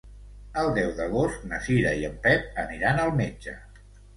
El deu d'agost na Cira i en Pep aniran al metge.